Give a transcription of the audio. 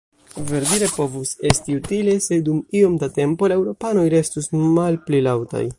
Verdire povus esti utile, se dum iom da tempo la eŭropanoj restus malpli laŭtaj.